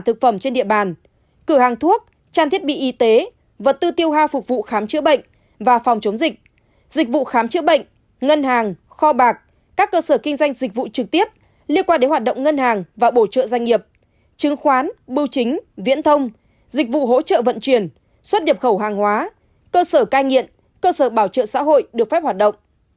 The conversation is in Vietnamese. trên địa bàn cửa hàng thuốc trang thiết bị y tế vật tư tiêu hoa phục vụ khám chữa bệnh và phòng chống dịch dịch vụ khám chữa bệnh ngân hàng kho bạc các cơ sở kinh doanh dịch vụ trực tiếp liên quan đến hoạt động ngân hàng và bổ trợ doanh nghiệp chứng khoán bưu chính viễn thông dịch vụ hỗ trợ vận chuyển xuất nhập khẩu hàng hóa cơ sở cai nghiện cơ sở bảo trợ xã hội được phép hoạt động